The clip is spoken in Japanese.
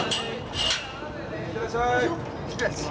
行ってらっしゃい。